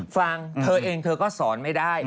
ฟังเธอเองเธอก็สอนไม่ได้